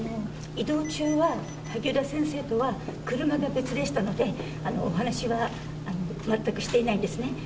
移動中は萩生田先生とは車が別でしたので、お話は全くしていないですね。